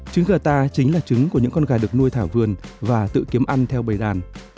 trứng gà ta chính là trứng của những con gà được nuôi thảo vườn và tự kiếm ăn theo bày đàn